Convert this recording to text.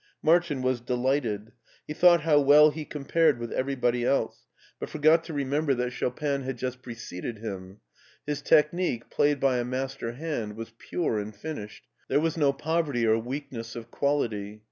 Martin was delighted. He thought how well he compared with everybody else, but forgot to remember that Chopin it €€ BERLIN i8i had just preceded him. His technique, played by a master hand, was pure and finished; there was no pbverty or weakness of quality.